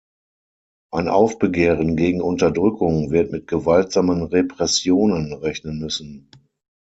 Ein Aufbegehren gegen Unterdrückung wird mit gewaltsamen Repressionen rechnen müssen.